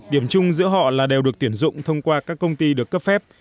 điểm chung giữa họ là đều được tuyển dụng thông qua các công ty được cấp phép